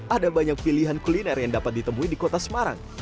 ada banyak pilihan kuliner yang dapat ditemui di kota semarang